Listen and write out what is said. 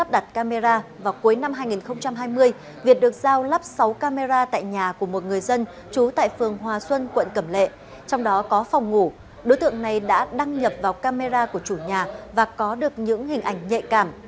đối tượng này đã đăng nhập vào camera của chủ nhà và có được những hình ảnh nhạy cảm